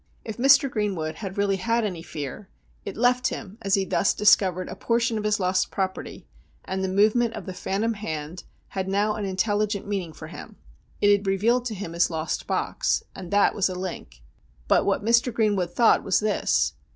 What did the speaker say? If Mr. Greenwood had really had any fear, it left him as he thus discovered a portion of his lost property, and the movement of the phantom hand had now an intelli gent meaning for him. It had revealed to him his lost box, and that was a link. But what Mr. Greenwood thought was this.